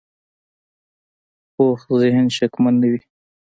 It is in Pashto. پوخ ذهن شکمن نه وي